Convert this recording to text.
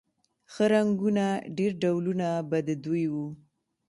ښه رنګونه ډېر ډولونه به د دوی و